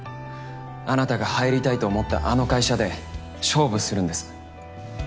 あなたが入りたいと思ったあの会社で勝負するんです。